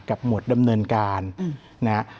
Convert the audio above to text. หมวดดำเนินการนะฮะ